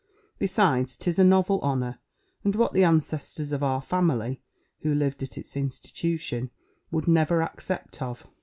Besides, 'tis a novel honour, and what the ancestors of our family, who lived at its institution, would never accept of.